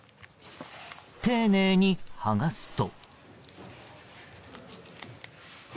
丁寧に剥がすと。